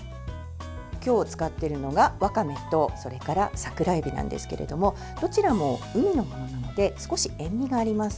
今日使っているのが、わかめとそれから桜えびなんですけれどもどちらも海のものなので少し塩みがあります。